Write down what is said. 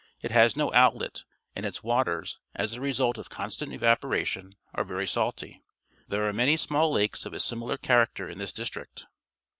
It has no outlet, and its waters, as a result of constant evaporation, are very salty. There are manj' small lakes of a similar character in this district.